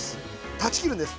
断ち切るんです。